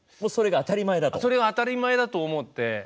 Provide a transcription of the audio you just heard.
それが当たり前だと思って。